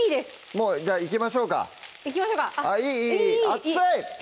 もういきましょうかいきましょうかいいいい熱い！